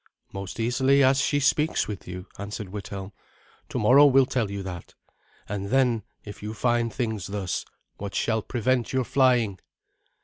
"Most easily, as she speaks with you," answered Withelm. "Tomorrow will tell you that. And then, if you find things thus, what shall prevent your flying?"